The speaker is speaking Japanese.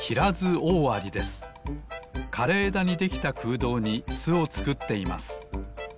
かれえだにできたくうどうにすをつくっています。